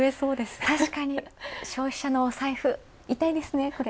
たしかに消費者のお財布、痛いですね、これ。